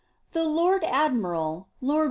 The Load Aoviral (Lord W.